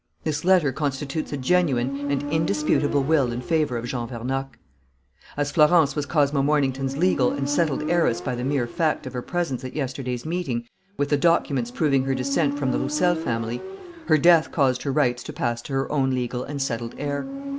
This letter constitutes a genuine and indisputable will in favor of Jean Vernocq. "As Florence was Cosmo Mornington's legal and settled heiress by the mere fact of her presence at yesterday's meeting with the documents proving her descent from the Roussel family, her death caused her rights to pass to her own legal and settled heir.